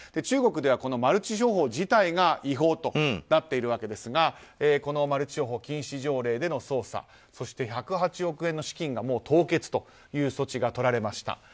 中国ではこのマルチ商法自体が違法となっているわけですがこのマルチ商法禁止条例での捜査そして１０８億円の資金が凍結という措置が取られました。